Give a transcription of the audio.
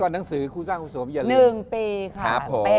ก็หนังสือคู่สร้างคุณสวมอย่าลืม